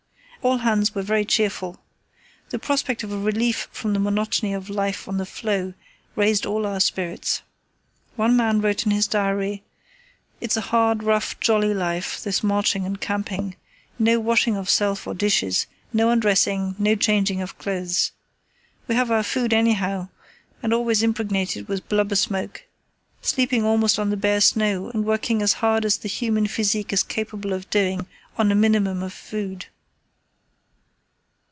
All hands were very cheerful. The prospect of a relief from the monotony of life on the floe raised all our spirits. One man wrote in his diary: "It's a hard, rough, jolly life, this marching and camping; no washing of self or dishes, no undressing, no changing of clothes. We have our food anyhow, and always impregnated with blubber smoke; sleeping almost on the bare snow and working as hard as the human physique is capable of doing on a minimum of food."